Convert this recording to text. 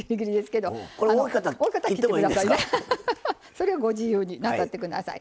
それはご自由になさって下さい。